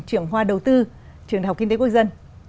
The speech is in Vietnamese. trưởng hoa đầu tư trường đại học kinh tế quốc dân